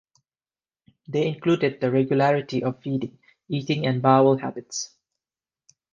They included the regularity of feeding, eating and bowel habits.